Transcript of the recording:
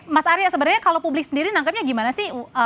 mas arya sebenarnya kalau publik sendiri nangkepnya gimana sih